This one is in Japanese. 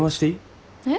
えっ？